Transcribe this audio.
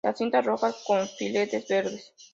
La cinta, roja con filetes verdes.